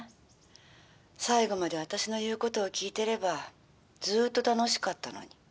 最後まで私の言うことを聞いてればずっと楽しかったのに」。